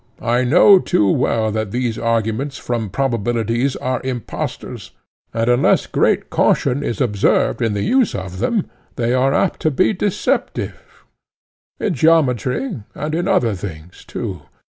I know too well that these arguments from probabilities are impostors, and unless great caution is observed in the use of them, they are apt to be deceptive—in geometry, and in other things too.